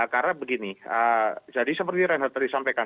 karena begini jadi seperti renhardt tadi sampaikan